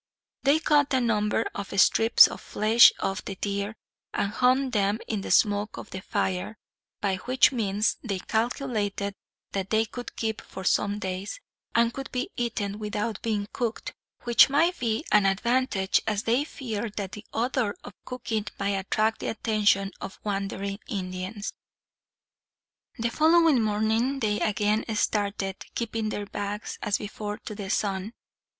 They cut a number of strips of flesh off the deer, and hung them in the smoke of the fire; by which means they calculated that they could keep for some days, and could be eaten without being cooked; which might be an advantage, as they feared that the odor of cooking might attract the attention of wandering Indians. The following morning they again started, keeping their backs, as before, to the sun.